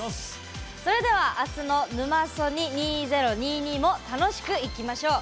それでは、明日の「ヌマソニ２０２２」も楽しくいきましょう！